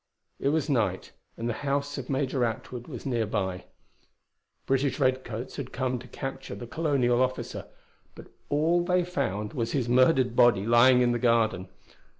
It was night, and the house of Major Atwood was nearby. British redcoats had come to capture the colonial officer; but all they found was his murdered body lying in the garden.